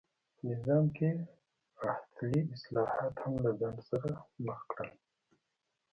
په نظام کې احتلي اصلاحات هم له خنډ سره مخ کړل.